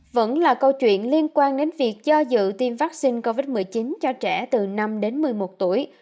vẫn là câu chuyện liên quan đến việc do dự tiêm vaccine covid một mươi chín cho trẻ từ năm đến một mươi một tuổi